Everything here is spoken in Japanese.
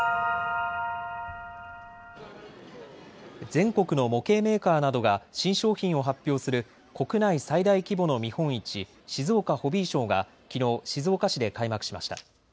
全国の模型メーカーなどが新商品を発表する国内最大規模の見本市、静岡ホビーショーがきのう静岡市で開幕しました。